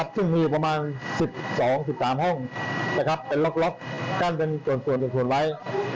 ซึ่งมีอยู่ประมาณ๑๒๑๓ห้องเป็นล็อกกั้นเป็นส่วน๑ส่วนไว้